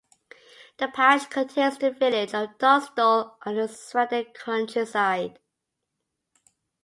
The parish contains the village of Dunstall and the surrounding countryside.